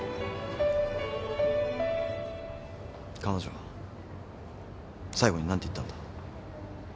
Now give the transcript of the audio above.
彼女最後に何て言ったんだ？